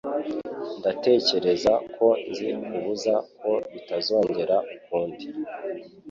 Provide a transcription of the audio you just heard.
Ndatekereza ko nzi kubuza ko bitazongera ukundi.